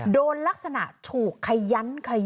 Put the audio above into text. โดนลักษณะถูกขยันขยัน